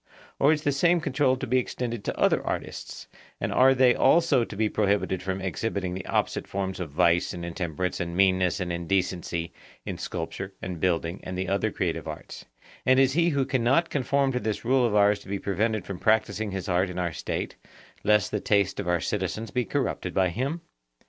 Or is the same control to be extended to other artists, and are they also to be prohibited from exhibiting the opposite forms of vice and intemperance and meanness and indecency in sculpture and building and the other creative arts; and is he who cannot conform to this rule of ours to be prevented from practising his art in our State, lest the taste of our citizens be corrupted by him?